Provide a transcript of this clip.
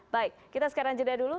baik kita sekarang jeda dulu